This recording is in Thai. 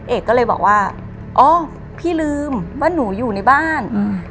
เอกก็เลยบอกว่าอ๋อพี่ลืมว่าหนูอยู่ในบ้าน